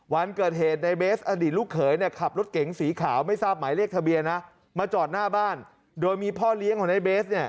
วันเกิดเหตุในเบสอดีตลูกเขยเนี่ยขับรถเก๋งสีขาวไม่ทราบหมายเลขทะเบียนนะมาจอดหน้าบ้านโดยมีพ่อเลี้ยงของในเบสเนี่ย